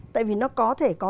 tại vì nó có thể có